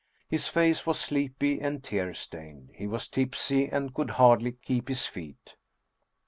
His face was sleepy and tear stained. He was tipsy and could hardly keep his feet.